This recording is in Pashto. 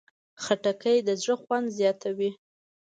خټکی د زړه خوند زیاتوي.